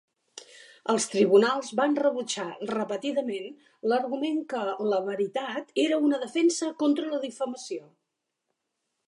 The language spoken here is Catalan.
Els tribunals van rebutjar repetidament l'argument que la veritat era una defensa contra la difamació.